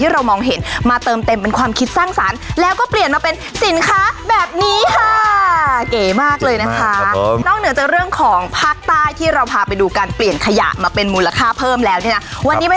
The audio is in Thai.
รองเท้าทะเลจรครับ